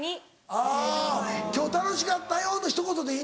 あぁ「今日楽しかったよ」のひと言でいいんだ。